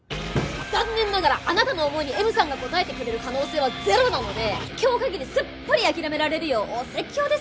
残念ながらあなたの思いにＭさんが応えてくれる可能性はゼロなので今日限りすっぱり諦められるようお説教です。